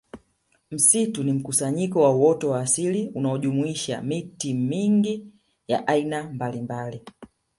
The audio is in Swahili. Msitu ni mkusanyiko wa uoto asilia unaojumuisha miti mingi ya aina mbalimbali